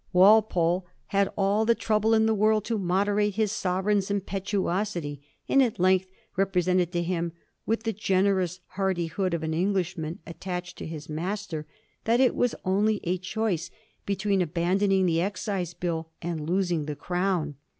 Walpole had all the trouble in the world to moderate his sovereign's impetuosity, and at length represented to him, * with the generous hardihood of an Englishman attached to his master,' that it was only a choice between abandoning the Excise Bill and losing the crown.